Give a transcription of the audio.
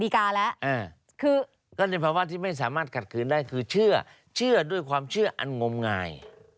คือเชื่อเชื่อด้วยความเชื่ออันงมงาย